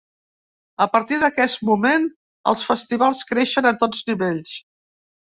A partir d'aquest moment, els Festivals creixen a tots nivells.